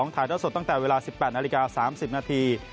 ถ่ายเท่าสดตั้งแต่เวลา๑๘นาฬิกา๓๐นาที